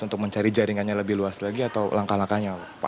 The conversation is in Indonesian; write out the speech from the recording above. untuk mencari jaringannya lebih luas lagi atau langkah langkahnya apa